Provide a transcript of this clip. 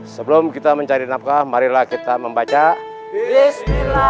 sebelum kita mencari nafkah marilah kita membaca